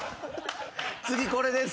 次これです。